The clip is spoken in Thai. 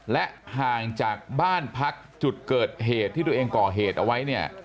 และห่างจากบ้านพักที่ก่อกเหตุเอาไว้